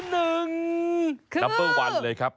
คือดับเปิ้ล๑เลยครับ